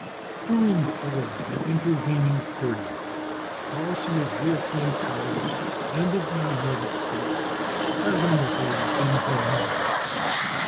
During all the intervening period the policy of European powers and of the United States has, on the whole, been harmonious.